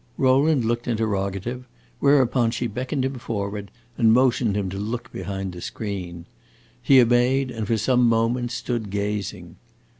Rowland looked interrogative; whereupon she beckoned him forward and motioned him to look behind the screen. He obeyed, and for some moments stood gazing.